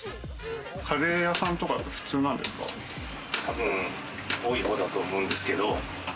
カレー屋さんとか普通なんでたぶん多い方だと思うんですけれども。